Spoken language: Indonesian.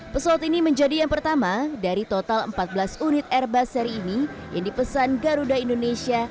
pesawat ini menjadi yang pertama dari total empat belas unit airbus seri ini yang dipesan garuda indonesia